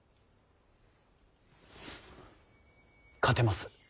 勝てます